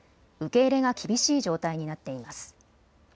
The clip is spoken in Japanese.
受け入れが厳しい状態になっています。